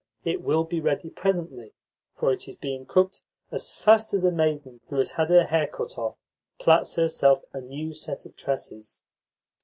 It will be ready presently, for it is being cooked as fast as a maiden who has had her hair cut off plaits herself a new set of tresses."